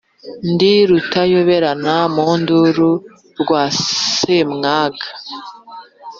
Ndi Rutayoberana mu nduru rwa Semwaga,